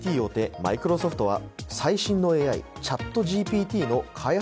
マイクロソフトは最新のＡＩＣＨＡＴＧＰＴの開発